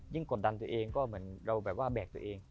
ยิ่งกดดันตัวเองก็เหมือนเราแบกตัวเอง